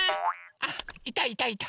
あっいたいたいた。